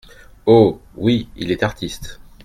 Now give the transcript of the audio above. Oh ! oui, il est artiste !